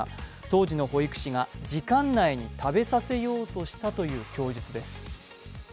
当時の保育士が、時間内に食べさせようとしたという供述です。